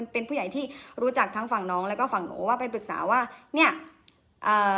เป็นผู้ใหญ่ที่รู้จักทั้งฝั่งน้องแล้วก็ฝั่งหนูว่าไปปรึกษาว่าเนี้ยเอ่อ